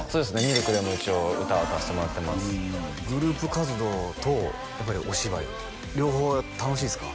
ＬＫでも一応歌歌わせてもらってますグループ活動とやっぱりお芝居両方楽しいっすか？